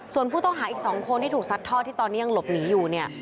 ส่วนผู้ต้องหาอีก๒คนที่ถูกซัดทอดที่ตอนนี้ยังหลบหนีอยู่เนี่ย